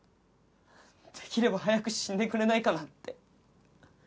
できれば早く死んでくれないかなって。